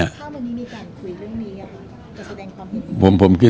ถ้ามันนี้มีการคุยเรื่องนี้